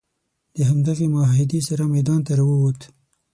د همدغې معاهدې سره میدان ته راووت.